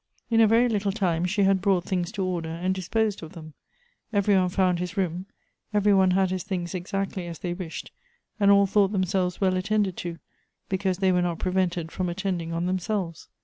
In a very little time she had brought things to order, and disposed of them. Every one found his room, — every one had his things exactly as they wished, and all thought themselves well attended to, because they were not prevented from attending on themselves.